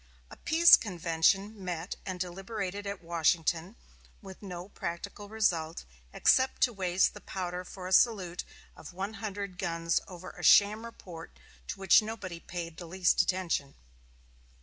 A peace convention met and deliberated at Washington, with no practical result, except to waste the powder for a salute of one hundred guns over a sham report to which nobody paid the least attention.